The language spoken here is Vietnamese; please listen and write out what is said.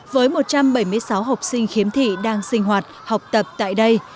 với một trăm bảy mươi sáu học sinh khiếm thị đang sinh hoạt học tập tại đây